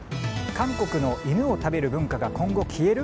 韓国の犬を食べる文化が今後消える？